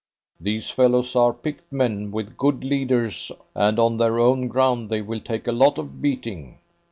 "These fellows are picked men with good leaders, and on their own ground they will take a lot of beating."